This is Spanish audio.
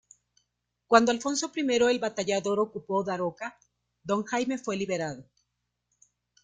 Cuando Alfonso I el Batallador ocupó Daroca, don Jaime fue liberado.